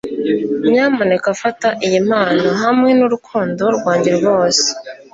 nyamuneka fata iyi mpano, hamwe nurukundo rwanjye rwose